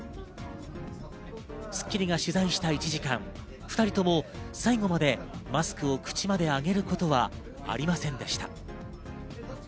『スッキリ』が取材した１時間、２人とも最後までマスクを口まで上げることはありませんでした。